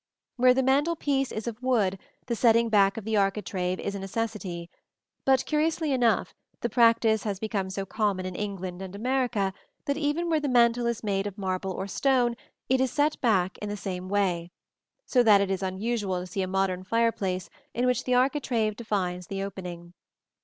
Where the mantel piece is of wood, the setting back of the architrave is a necessity; but, curiously enough, the practice has become so common in England and America that even where the mantel is made of marble or stone it is set back in the same way; so that it is unusual to see a modern fireplace in which the architrave defines the opening.